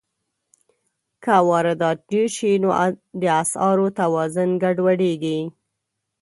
که واردات ډېر شي، نو د اسعارو توازن ګډوډېږي.